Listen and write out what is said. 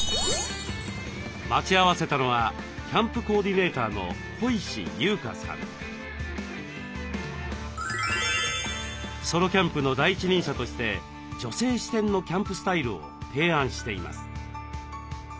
待ち合わせたのはソロキャンプの第一人者として女性視点のキャンプスタイルを提案しています。